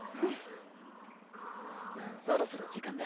そろそろ時間だ。